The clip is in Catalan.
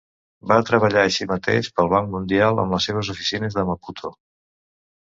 Va treballar així mateix pel Banc Mundial en les seves oficines de Maputo.